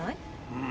うん。